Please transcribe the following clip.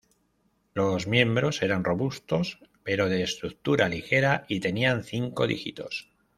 Los miembros eran robustos, pero de estructura ligera y tenían cinco dígitos.